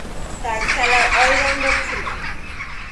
তার খেলার অলরাউন্ডার ছিলেন।